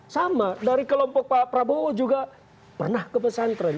sama dari kelompok pak prabowo juga pernah ke pesantren